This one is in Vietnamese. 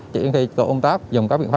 chỉ khi tổ công tác dùng các biện pháp